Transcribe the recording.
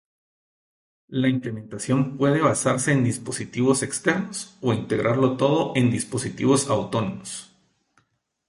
La implementación puede basarse en dispositivos externos o integrarlo todo en dispositivos autónomos.